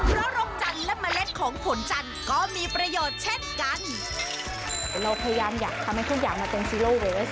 เพราะรกจันทร์และเมล็ดของผลจันทร์ก็มีประโยชน์เช่นกันเราพยายามอยากทำให้ทุกอย่างมันเป็นซีโลเวส